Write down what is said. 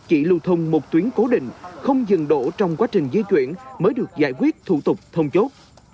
chỉ lưu thông một tuyến cố định không dừng đổ trong quá trình di chuyển mới được giải quyết thủ tục thông chốt